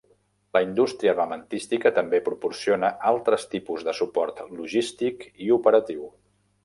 La indústria armamentística també proporciona altres tipus de suport logístic i operatiu.